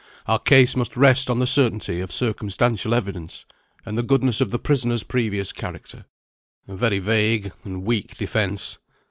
Our case must rest on the uncertainty of circumstantial evidence, and the goodness of the prisoner's previous character. A very vague and weak defence.